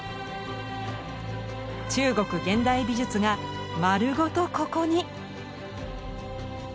中国現代美術が丸ごとここに！